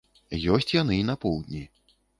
Ёсць яны і на поўдні.